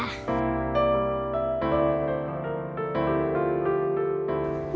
อายุ๘ปี